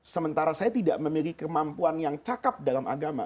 sementara saya tidak memiliki kemampuan yang cakep dalam agama